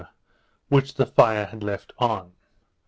which the fire had left on.